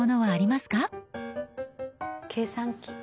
計算機。